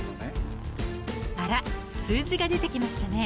［あら数字が出てきましたね］